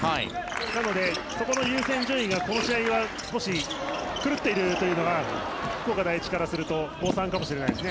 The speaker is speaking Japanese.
なので、そこの優先順位がこの試合は少し狂っているというのが福岡第一からすると誤算かもしれないですね。